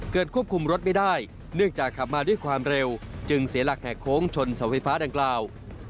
ควบคุมรถไม่ได้เนื่องจากขับมาด้วยความเร็วจึงเสียหลักแห่โค้งชนเสาไฟฟ้าดังกล่าว